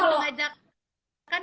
tergantung aja kan